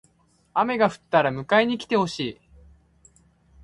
雨が降ったら迎えに来てほしい。